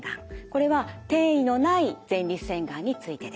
これは転移のない前立腺がんについてです。